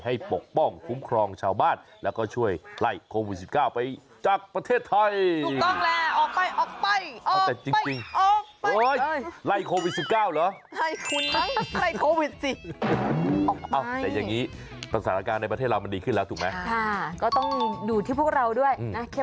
ให้ปกป้องคุ้มครองชาวบ้านและก็ช่วยไหลโควิสก้าวไปจากประเทศไทย